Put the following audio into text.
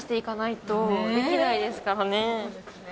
そうですね。